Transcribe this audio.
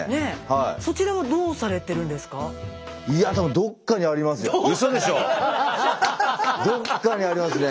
いや多分どっかにありますね。